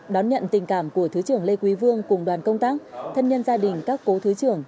đón nhận tình cảm của thứ trưởng lê quý vương cùng đoàn công tác thân nhân gia đình các cố thứ trưởng